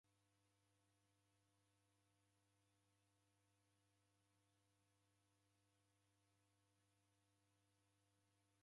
Waw'eandika barua